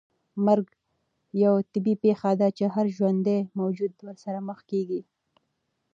مرګ یوه طبیعي پېښه ده چې هر ژوندی موجود ورسره مخ کېږي.